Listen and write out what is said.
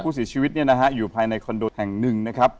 ผู้เสียชีวิตเนี่ยนะฮะอยู่ภายในคอนโดแห่งหนึ่งนะครับ